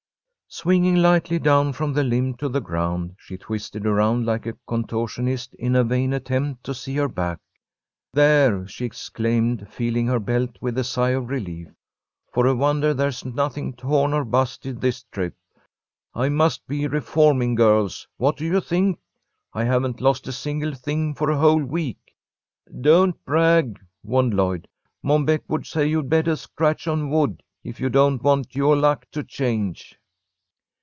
Swinging lightly down from the limb to the ground, she twisted around like a contortionist in a vain attempt to see her back. "There!" she exclaimed, feeling her belt with a sigh of relief. "For a wonder there's nothing torn or busted this trip. I must be reforming Girls, what do you think! I haven't lost a single thing for a whole week." "Don't brag," warned Lloyd. "Mom Beck would say you'd bettah scratch on wood if you don't want yoah luck to change."